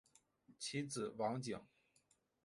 其子王景。